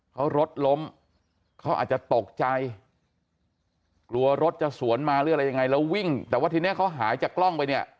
เขารถล้มเขาอาจจะตกใจกลัวรถจะสวนมาหรืออะไรยังไงแล้ววิ่งแต่ว่าทีนี้เขาหายจากกล้องไปเนี่ย